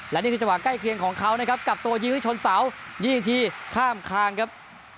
และนี่คือจังหวะใกล้เคียงของเขานะครับกลับตัวยิงให้ชนเสายิงทีข้ามคางครับ